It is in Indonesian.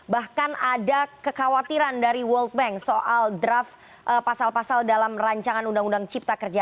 bahkan ada kekhawatiran dari world bank soal draft pasal pasal dalam rancangan undang undang cipta kerja